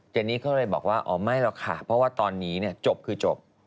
เจนี่เขาเลยบอกว่าอ๋อไม่หรอกค่ะเพราะว่าตอนนี้จบคือจบ